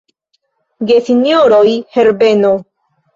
Gesinjoroj Herbeno!